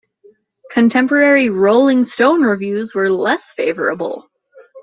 Contemporary "Rolling Stone" reviews were less favorable.